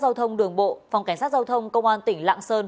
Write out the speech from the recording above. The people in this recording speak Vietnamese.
giao thông đường bộ phòng cảnh sát giao thông công an tỉnh lạng sơn